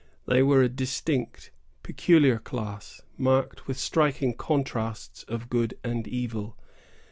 They were a distinct, peculiar class, marked with striking contrasts of good and evil.